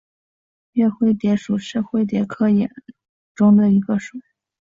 岳灰蝶属是灰蝶科眼灰蝶亚科中的一个属。